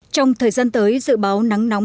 trong thời gian tới dự báo nắng nóng